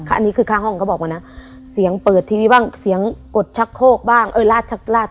อันนี้คือข้างห้องเขาบอกมานะเสียงเปิดทีวีบ้างเสียงกดชักโคกบ้างเอ้ยลาดชักลาด